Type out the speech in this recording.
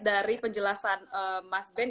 dari penjelasan mas ben